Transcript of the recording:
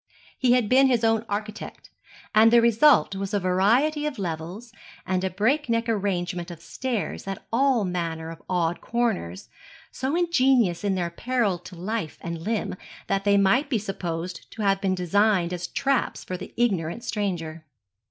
He had been his own architect, and the result was a variety of levels and a breakneck arrangement of stairs at all manner of odd corners, so ingenious in their peril to life and limb that they might be supposed to have been designed as traps for the ignorant stranger.